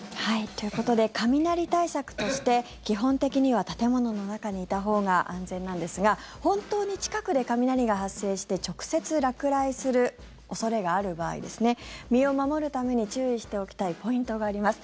ということで雷対策として基本的には建物の中にいたほうが安全なんですが本当に近くで雷が発生して直接落雷する恐れがある場合身を守るために注意しておきたいポイントがあります。